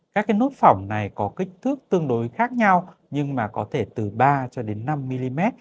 các cái nốt phỏng này có kích thước tương đối khác nhau nhưng mà có thể từ ba cho đến năm mm